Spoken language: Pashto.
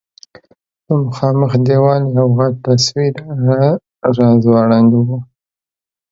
په مخامخ دېوال یو غټ تصویر راځوړند و.